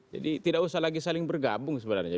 jadi tidak usah lagi saling bergabung sebenarnya